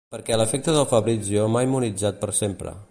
Perquè l'afecte del Fabrizio m'ha immunitzat per sempre.